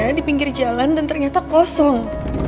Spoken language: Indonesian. lalu aku ke pinggir jalan dan ternyata kosong